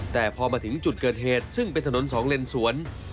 แต่พอมาถึงจุดเกิดเหตุซึ่งเป็นถนนสองเลนสวน